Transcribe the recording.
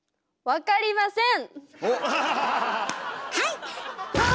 「わかりません！」